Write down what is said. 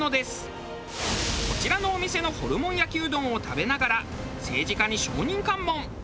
こちらのお店のホルモン焼きうどんを食べながら政治家に証人喚問。